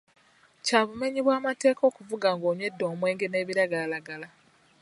Kya bumenyi bwa mateeka okuvuga ng'onywedde omwenge n'ebagalalagala.